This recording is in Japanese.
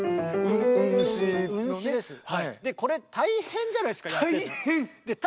でこれ大変じゃないですかやってて。